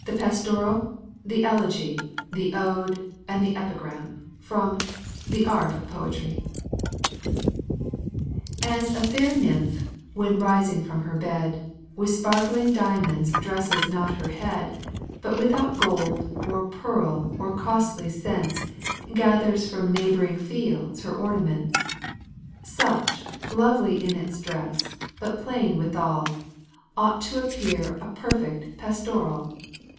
THE PASTORAL, THE ELEGY, THE ODE, AND THE EPIGRAM From 'The Art of Poetry' As A fair nymph, when rising from her bed, With sparkling diamonds dresses not her head, But without gold, or pearl, or costly scents, Gathers from neighboring fields her ornaments: Such, lovely in its dress, but plain withal, Ought to appear a perfect Pastoral.